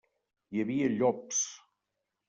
Hi havia llops.